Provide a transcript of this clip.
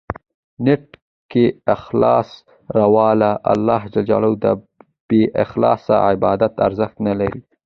نیت کې اخلاص راوله ، الله ج ته بې اخلاصه عبادت ارزښت نه لري.